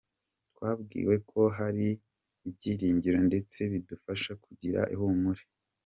Twabwiwe ko hakiri ibyiringiro ndetse bidufasha kugira ihumure.